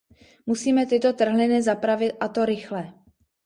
Musíme tyto trhliny zapravit, a to rychle.